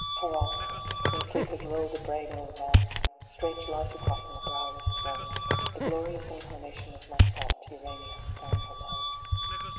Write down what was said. For oft, when sleep has lulled a brain o'erwrought, Strange light across my brow is thrown ; The glorious incarnation of my thought, Urania stands alone.